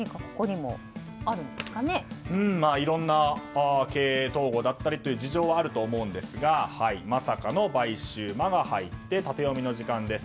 いろんな経営統合だったりと事情はあると思うんですがまさかの買収の「マ」が入ってタテヨミの時間です。